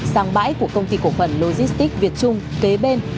sang bãi của công ty cổ phần logistics việt trung kế bên